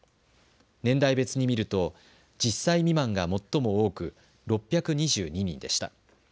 年代別に見ると１０歳未満が最も多く６２２人でした。